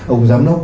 ông giám đốc